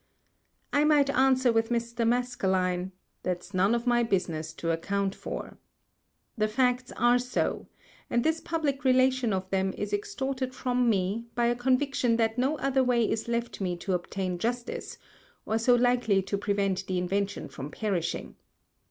I might answer with Mr. Maskelyne, ŌĆ£thatŌĆÖs none of my Business to account for. ŌĆØŌĆö_The Facts are so_, and this public Relation of them is extorted from me, by a Conviction that no other Way is left me to obtain Justice, or so likely to prevent the Invention from perishing.